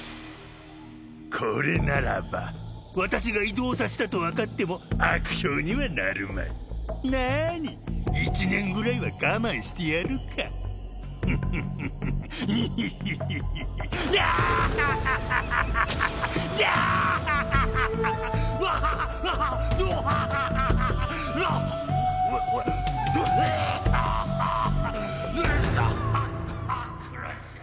これならば私が異動させたと分かっても悪評にはなるまい何１年ぐらいは我慢してやるかフフフフニヒヒヒヒアーッハッハッハッハッアーッハッハッハッハッワハハワハハグハハハハ苦しい